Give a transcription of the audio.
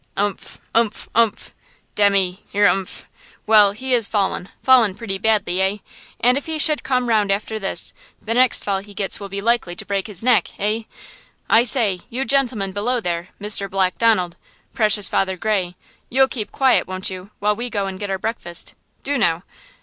"Umph, umph, umph; demmy, you're–umph, well, he is fallen, fallen pretty badly, eh? and if he should come round after this, the next fall he gets will be likely to break his neck, eh?–I say, you gentleman below there–Mr. Black Donald– precious Father Grey–you'll keep quiet, won't you, while we go and get our breakfast? do, now!